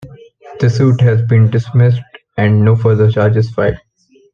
The suit has been dismissed and no further charges filed.